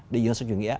địa dương sự chủ nghĩa